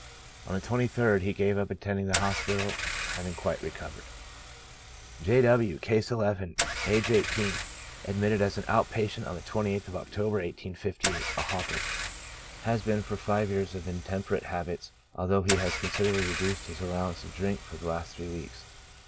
On the 23d he gave up attending the hospital, having quite recovered. J. W —, (Case II,) aged 18, admitted as an out patient on the 28th of October, 1858 ; a hawker. Has been for five years of intemperate habits, although he has considerably reduced his allowance of drink for the last three weeks.